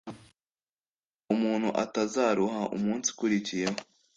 kugira ngo uwo muntu atazaruha umunsi ukurikiyeho.